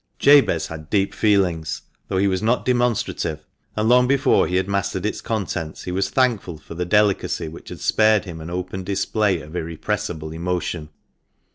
Jabez had deep feelings, though he was not demonstrative, and long before he had mastered its contents he was thankful for the delicacy which had spared him an open display of irrepressible emotion.